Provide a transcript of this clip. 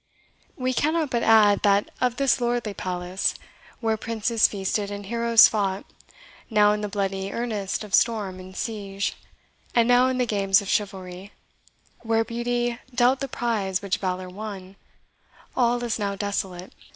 We cannot but add, that of this lordly palace, where princes feasted and heroes fought, now in the bloody earnest of storm and siege, and now in the games of chivalry, where beauty dealt the prize which valour won, all is now desolate.